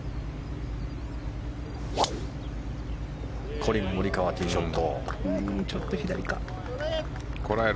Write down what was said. コリン・モリカワティーショット。